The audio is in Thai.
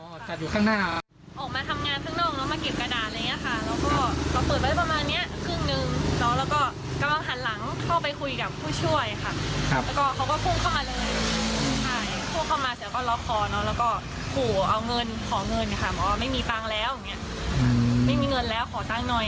ออกมาทำงานข้างนอกมาเก็บกระดาษอะไรอย่างนี้ค่ะแล้วก็เขาเปิดไว้ประมาณนี้ครึ่งนึง